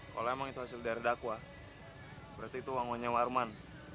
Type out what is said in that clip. kalau emang itu hasil dari dakwa berarti itu uangnya warman